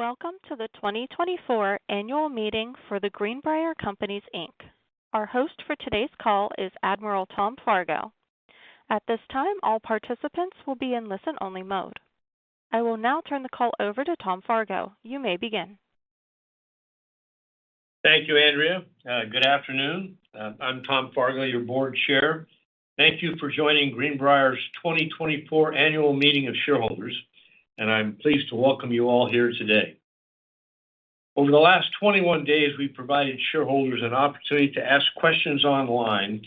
Welcome to the 2024 Annual Meeting for The Greenbrier Companies Inc. Our host for today's call is Admiral Tom Fargo. At this time, all participants will be in listen-only mode. I will now turn the call over to Tom Fargo. You may begin. Thank you, Andrea. Good afternoon. I'm Tom Fargo, your Board Chair. Thank you for joining Greenbrier's 2024 Annual Meeting of Shareholders, and I'm pleased to welcome you all here today. Over the last 21 days, we've provided shareholders an opportunity to ask questions online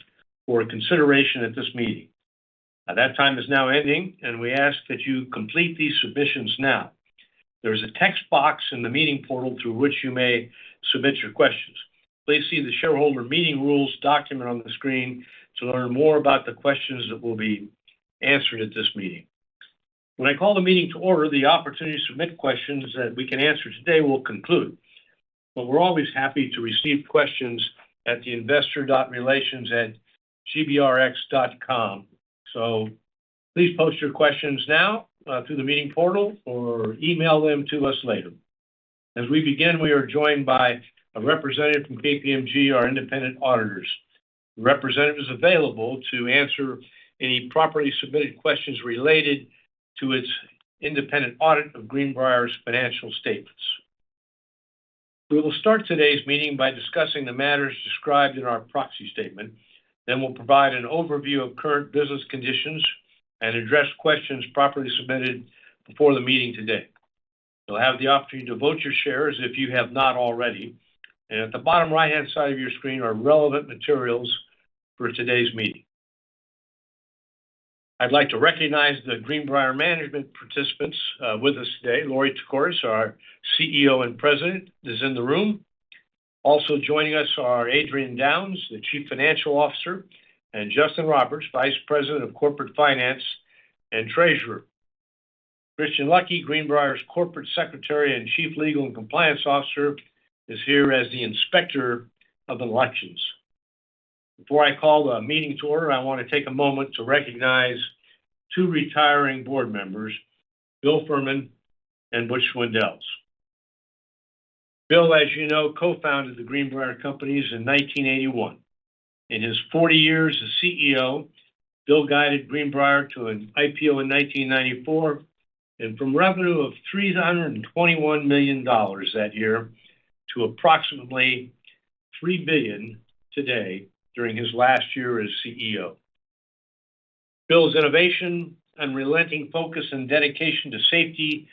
for consideration at this meeting. Now, that time is now ending, and we ask that you complete these submissions now. There is a text box in the meeting portal through which you may submit your questions. Please see the Shareholder Meeting Rules document on the screen to learn more about the questions that will be answered at this meeting. When I call the meeting to order, the opportunity to submit questions that we can answer today will conclude. But we're always happy to receive questions at the investor.relations@gbrx.com. Please post your questions now, through the meeting portal or email them to us later. As we begin, we are joined by a representative from KPMG, our independent auditors. The representative is available to answer any properly submitted questions related to its independent audit of Greenbrier's financial statements. We will start today's meeting by discussing the matters described in our proxy statement. We'll provide an overview of current business conditions and address questions properly submitted before the meeting today. You'll have the opportunity to vote your shares if you have not already, and at the bottom right-hand side of your screen are relevant materials for today's meeting. I'd like to recognize the Greenbrier management participants with us today. Lorie Tekorius, our CEO and President, is in the room. Also joining us are Adrian Downes, the Chief Financial Officer, and Justin Roberts, Vice President of Corporate Finance and Treasurer. Christian Lucky, Greenbrier's Corporate Secretary and Chief Legal and Compliance Officer, is here as the Inspector of Elections. Before I call the meeting to order, I want to take a moment to recognize two retiring board members, Bill Furman and Butch Swindells. Bill, as you know, co-founded the Greenbrier Companies in 1981. In his 40 years as CEO, Bill guided Greenbrier to an IPO in 1994, and from revenue of $321 million that year to approximately $3 billion today during his last year as CEO. Bill's innovation and relentless focus and dedication to safety,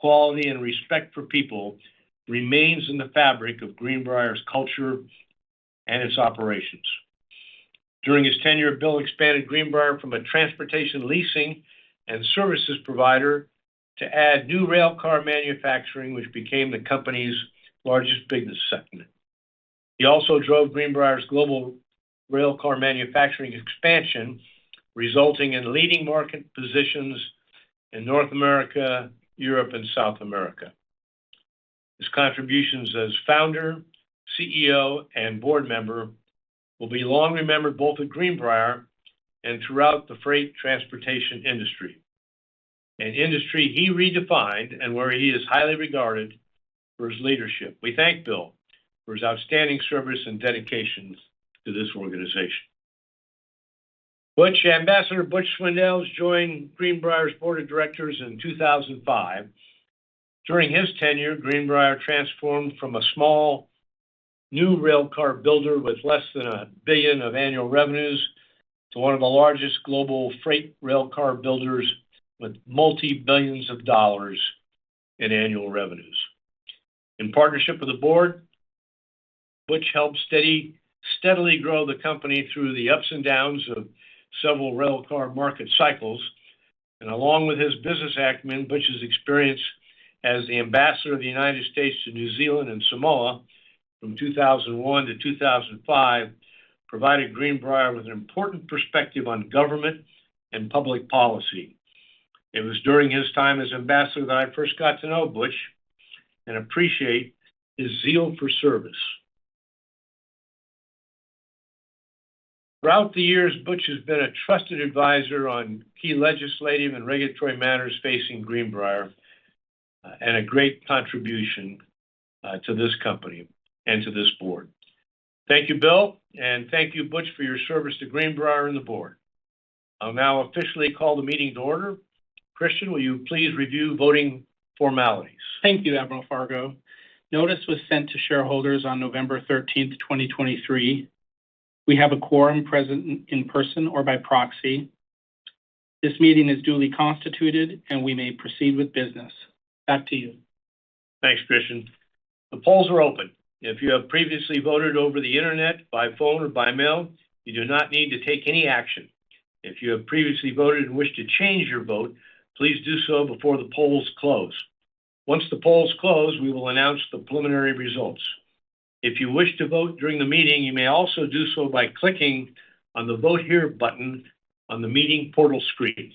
quality, and respect for people remains in the fabric of Greenbrier's culture and its operations. During his tenure, Bill expanded Greenbrier from a transportation leasing and services provider to add new railcar manufacturing, which became the company's largest business segment. He also drove Greenbrier's global railcar manufacturing expansion, resulting in leading market positions in North America, Europe, and South America. His contributions as founder, CEO, and board member will be long remembered, both at Greenbrier and throughout the freight transportation industry. An industry he redefined and where he is highly regarded for his leadership. We thank Bill for his outstanding service and dedication to this organization. Butch, Ambassador Butch Swindells, joined Greenbrier's Board of Directors in 2005. During his tenure, Greenbrier transformed from a small, new railcar builder with less than $1 billion of annual revenues to one of the largest global freight railcar builders with multi-billions of dollars in annual revenues. In partnership with the board, Butch helped steadily grow the company through the ups and downs of several railcar market cycles, and along with his business acumen, Butch's experience as the Ambassador of the United States to New Zealand and Samoa from 2001 to 2005 provided Greenbrier with an important perspective on government and public policy. It was during his time as ambassador that I first got to know Butch and appreciate his zeal for service. Throughout the years, Butch has been a trusted advisor on key legislative and regulatory matters facing Greenbrier and a great contribution to this company and to this board. Thank you, Bill, and thank you, Butch, for your service to Greenbrier and the board. I'll now officially call the meeting to order. Christian, will you please review voting formalities? Thank you, Admiral Fargo. Notice was sent to shareholders on November 13, 2023. We have a quorum present in person or by proxy. This meeting is duly constituted, and we may proceed with business. Back to you. Thanks, Christian. The polls are open. If you have previously voted over the Internet, by phone, or by mail, you do not need to take any action. If you have previously voted and wish to change your vote, please do so before the polls close. Once the polls close, we will announce the preliminary results. If you wish to vote during the meeting, you may also do so by clicking on the Vote Here button on the meeting portal screen.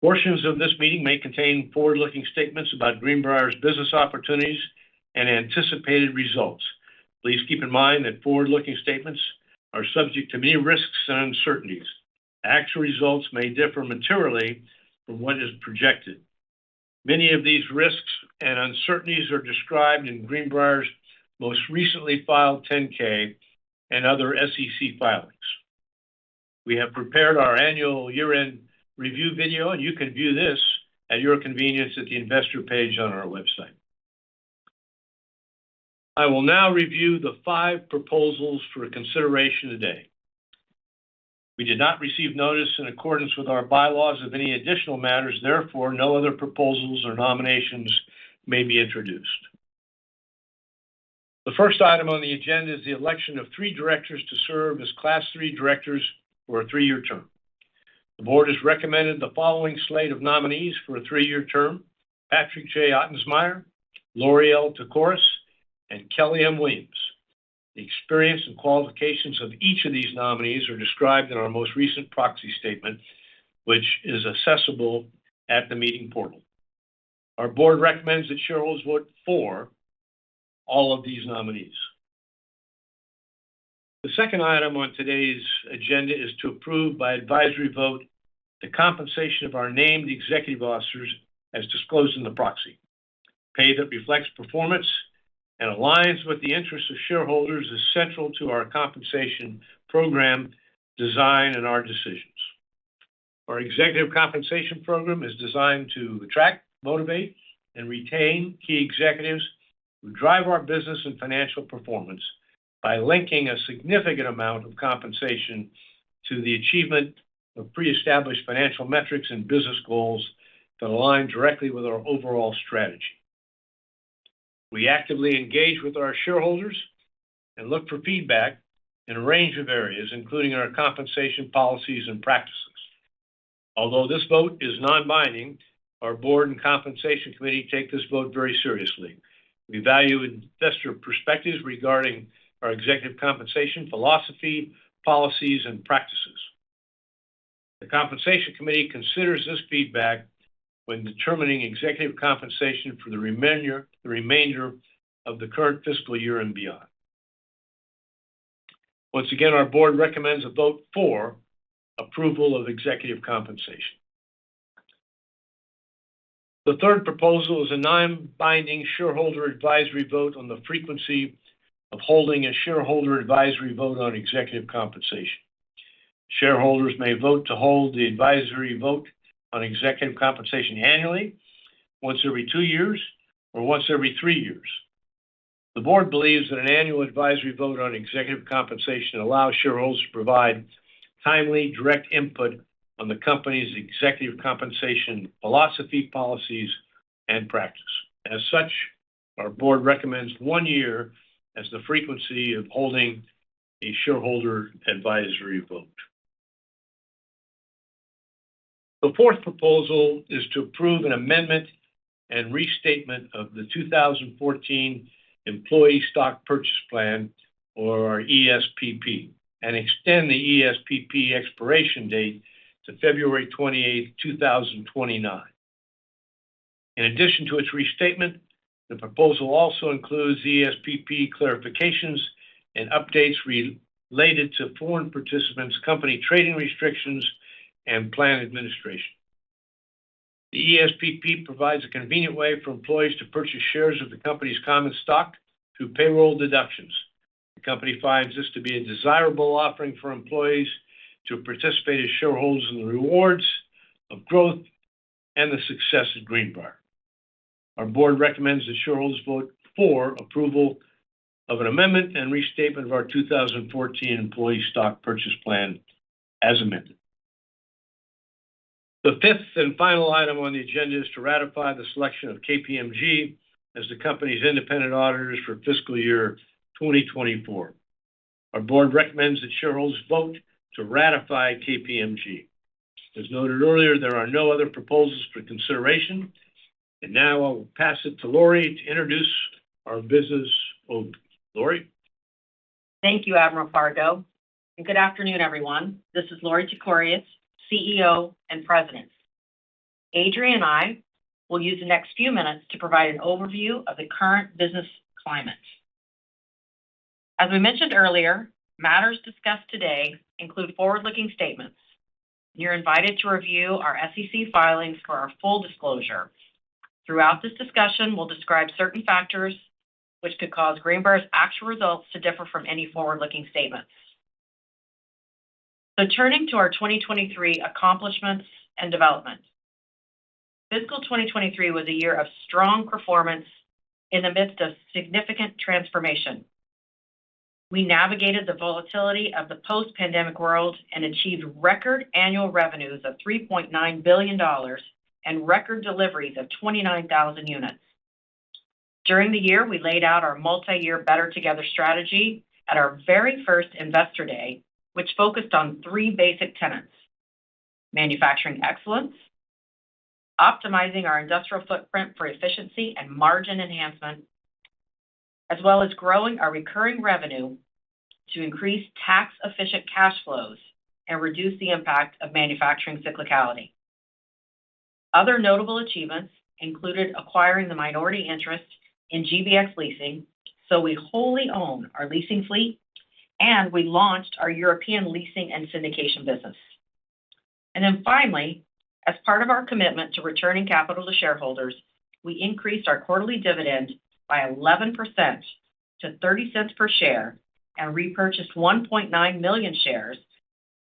Portions of this meeting may contain forward-looking statements about Greenbrier's business opportunities and anticipated results. Please keep in mind that forward-looking statements are subject to many risks and uncertainties. Actual results may differ materially from what is projected. Many of these risks and uncertainties are described in Greenbrier's most recently filed 10-K and other SEC filings. We have prepared our annual year-end review video, and you can view this at your convenience at the investor page on our website. I will now review the five proposals for consideration today. We did not receive notice in accordance with our bylaws of any additional matters, therefore, no other proposals or nominations may be introduced. The first item on the agenda is the election of three directors to serve as Class III directors for a three-year term. The board has recommended the following slate of nominees for a three-year term: Patrick J. Ottensmeyer, Lorie Tekorius, and Kelly M. Williams. The experience and qualifications of each of these nominees are described in our most recent proxy statement, which is accessible at the meeting portal. Our board recommends that shareholders vote for all of these nominees. The second item on today's agenda is to approve, by advisory vote, the compensation of our named executive officers as disclosed in the proxy. Pay that reflects performance and aligns with the interests of shareholders is central to our compensation program design and our decisions. Our executive compensation program is designed to attract, motivate, and retain key executives who drive our business and financial performance by linking a significant amount of compensation to the achievement of pre-established financial metrics and business goals that align directly with our overall strategy. We actively engage with our shareholders and look for feedback in a range of areas, including our compensation, policies, and practices. Although this vote is non-binding, our board and Compensation Committee take this vote very seriously. We value investor perspectives regarding our executive compensation, philosophy, policies, and practices. The Compensation Committee considers this feedback when determining executive compensation for the remainder of the current fiscal year and beyond. Once again, our board recommends a vote for approval of executive compensation. The third proposal is a non-binding shareholder advisory vote on the frequency of holding a shareholder advisory vote on executive compensation. Shareholders may vote to hold the advisory vote on executive compensation annually, once every two years, or once every three years. The board believes that an annual advisory vote on executive compensation allows shareholders to provide timely, direct input on the company's executive compensation, philosophy, policies, and practice. As such, our board recommends one year as the frequency of holding a shareholder advisory vote. The fourth proposal is to approve an amendment and restatement of the 2014 Employee Stock Purchase Plan or ESPP, and extend the ESPP expiration date to February 28th, 2029. In addition to its restatement, the proposal also includes ESPP clarifications and updates related to foreign participants, company trading restrictions, and plan administration. The ESPP provides a convenient way for employees to purchase shares of the company's common stock through payroll deductions. The company finds this to be a desirable offering for employees to participate as shareholders in the rewards of growth and the success of Greenbrier. Our board recommends that shareholders vote for approval of an amendment and restatement of our 2014 Employee Stock Purchase Plan as amended. The fifth and final item on the agenda is to ratify the selection of KPMG as the company's independent auditors for fiscal year 2024. Our board recommends that shareholders vote to ratify KPMG. As noted earlier, there are no other proposals for consideration, and now I will pass it to Lorie to introduce our business. Lorie? Thank you, Admiral Fargo, and good afternoon, everyone. This is Lorie Tekorius, CEO and President. Adrian and I will use the next few minutes to provide an overview of the current business climate. As we mentioned earlier, matters discussed today include forward-looking statements. You're invited to review our SEC filings for our full disclosure. Throughout this discussion, we'll describe certain factors which could cause Greenbrier's actual results to differ from any forward-looking statements. So turning to our 2023 accomplishments and developments. Fiscal 2023 was a year of strong performance in the midst of significant transformation. We navigated the volatility of the post-pandemic world and achieved record annual revenues of $3.9 billion and record deliveries of 29,000 units. During the year, we laid out our multi-year Better Together strategy at our very first Investor Day, which focused on three basic tenets: manufacturing excellence, optimizing our industrial footprint for efficiency and margin enhancement, as well as growing our recurring revenue to increase tax-efficient cash flows and reduce the impact of manufacturing cyclicality. Other notable achievements included acquiring the minority interest in GBX Leasing, so we wholly own our leasing fleet, and we launched our European leasing and syndication business. And then finally, as part of our commitment to returning capital to shareholders, we increased our quarterly dividend by 11% to $0.30 per share and repurchased 1.9 million shares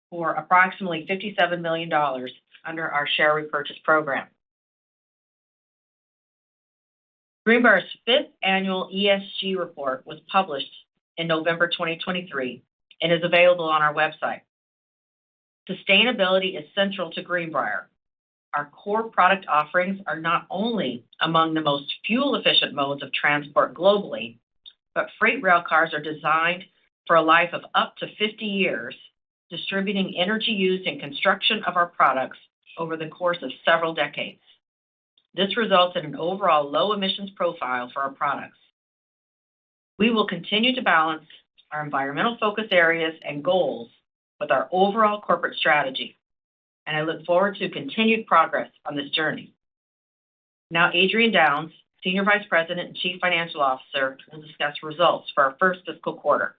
for approximately $57 million under our share repurchase program. Greenbrier's fifth annual ESG report was published in November 2023 and is available on our website. Sustainability is central to Greenbrier. Our core product offerings are not only among the most fuel-efficient modes of transport globally, but freight rail cars are designed for a life of up to 50 years, distributing energy use and construction of our products over the course of several decades. This results in an overall low emissions profile for our products. We will continue to balance our environmental focus areas and goals with our overall corporate strategy, and I look forward to continued progress on this journey. Now, Adrian Downes, Senior Vice President and Chief Financial Officer, will discuss results for our first fiscal quarter.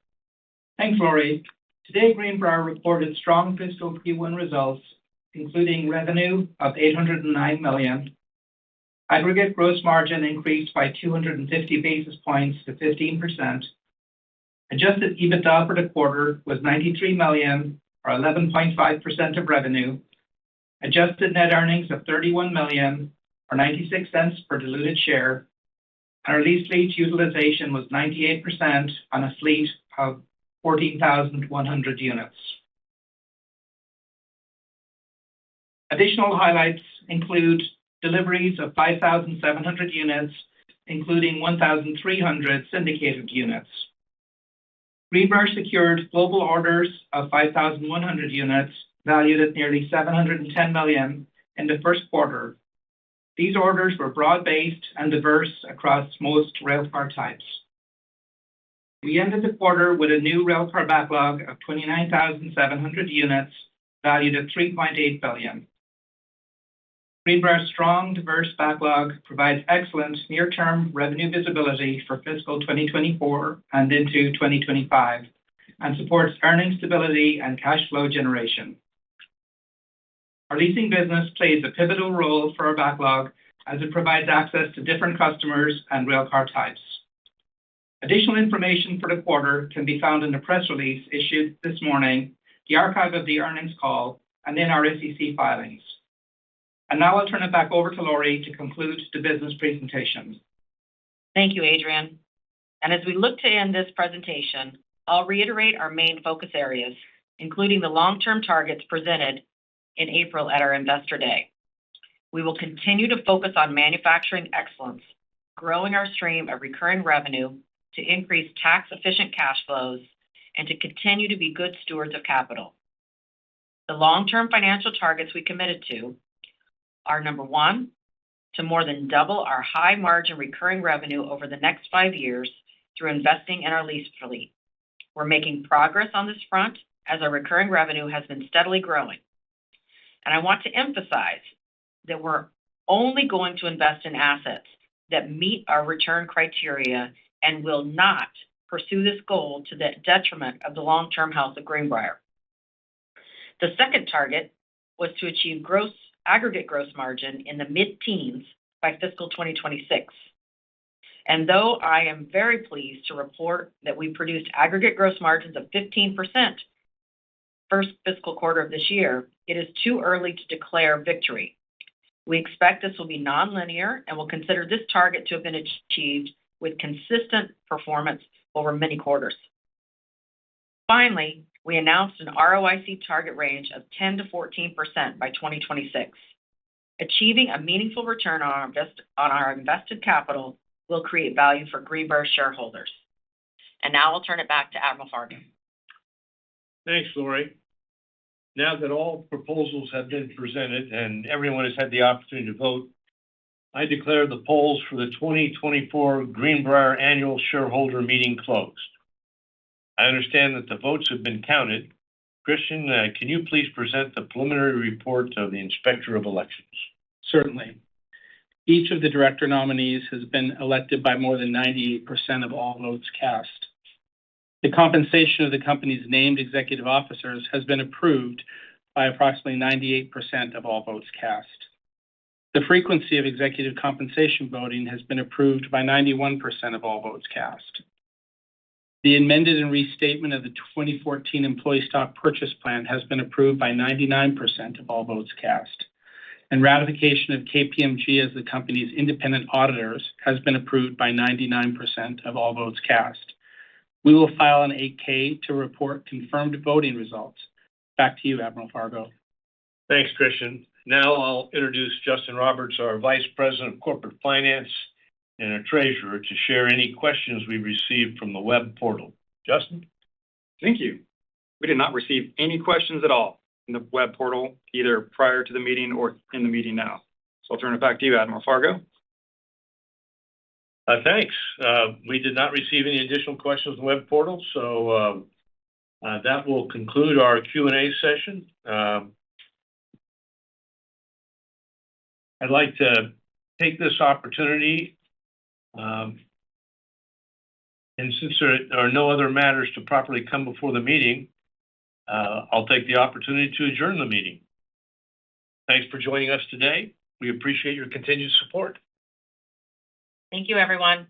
Thanks, Lorie. Today, Greenbrier reported strong fiscal Q1 results, including revenue of $809 million. Aggregate gross margin increased by 250 basis points to 15%. Adjusted EBITDA for the quarter was $93 million, or 11.5% of revenue. Adjusted net earnings of $31 million, or $0.96 for diluted share. Our lease fleet utilization was 98% on a fleet of 14,100 units. Additional highlights include deliveries of 5,700 units, including 1,300 syndicated units. Greenbrier secured global orders of 5,100 units, valued at nearly $710 million in the first quarter. These orders were broad-based and diverse across most railcar types. We ended the quarter with a new railcar backlog of 29,700 units, valued at $3.8 billion. Greenbrier's strong, diverse backlog provides excellent near-term revenue visibility for fiscal 2024 and into 2025 and supports earnings stability and cash flow generation. Our leasing business plays a pivotal role for our backlog as it provides access to different customers and railcar types. Additional information for the quarter can be found in the press release issued this morning, the archive of the earnings call, and in our SEC filings. Now I'll turn it back over to Lorie to conclude the business presentation. Thank you, Adrian. As we look to end this presentation, I'll reiterate our main focus areas, including the long-term targets presented in April at our Investor Day. We will continue to focus on manufacturing excellence, growing our stream of recurring revenue to increase tax-efficient cash flows, and to continue to be good stewards of capital. The long-term financial targets we committed to are, number one, to more than double our high margin recurring revenue over the next five years through investing in our lease fleet. We're making progress on this front as our recurring revenue has been steadily growing, and I want to emphasize that we're only going to invest in assets that meet our return criteria and will not pursue this goal to the detriment of the long-term health of Greenbrier. The second target was to achieve aggregate gross margin in the mid-teens by fiscal 2026, and though I am very pleased to report that we produced aggregate gross margins of 15% first fiscal quarter of this year, it is too early to declare victory. We expect this will be nonlinear and will consider this target to have been achieved with consistent performance over many quarters. Finally, we announced an ROIC target range of 10%-14% by 2026. Achieving a meaningful return on our invested capital will create value for Greenbrier shareholders. Now I'll turn it back to Admiral Fargo. Thanks, Lorie. Now that all proposals have been presented, and everyone has had the opportunity to vote, I declare the polls for the 2024 Greenbrier Annual Shareholder Meeting closed. I understand that the votes have been counted. Christian, can you please present the preliminary report of the Inspector of Elections? Certainly. Each of the director nominees has been elected by more than 98% of all votes cast. The compensation of the company's named executive officers has been approved by approximately 98% of all votes cast. The frequency of executive compensation voting has been approved by 91% of all votes cast. The amended and restated 2014 employee stock purchase plan has been approved by 99% of all votes cast, and ratification of KPMG as the company's independent auditors has been approved by 99% of all votes cast. We will file an 8-K to report confirmed voting results. Back to you, Admiral Fargo. Thanks, Christian. Now I'll introduce Justin Roberts, our Vice President of Corporate Finance and our Treasurer, to share any questions we've received from the web portal. Justin? Thank you. We did not receive any questions at all in the web portal, either prior to the meeting or in the meeting now. So I'll turn it back to you, Admiral Fargo. Thanks. We did not receive any additional questions in the web portal, so that will conclude our Q&A session. I'd like to take this opportunity, and since there are no other matters to properly come before the meeting, I'll take the opportunity to adjourn the meeting. Thanks for joining us today. We appreciate your continued support. Thank you, everyone.